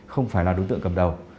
không phải là đối tượng cầm đầu